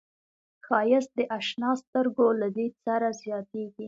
ښایست د اشنا سترګو له لید سره زیاتېږي